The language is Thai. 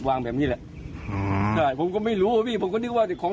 แบบนี้แหละอืมใช่ผมก็ไม่รู้อะพี่ผมก็นึกว่าแต่ของ